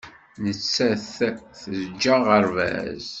Nettat teǧǧa aɣerbaz.